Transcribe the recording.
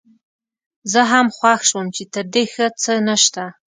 زه هم خوښ شوم چې تر دې ښه څه نشته.